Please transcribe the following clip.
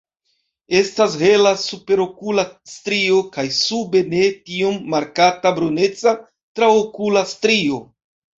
Estas hela superokula strio kaj sube ne tiom markata bruneca traokula strio.